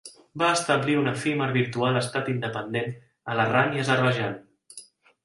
Va establir un efímer virtual estat independent a l'Arran i Azerbaidjan.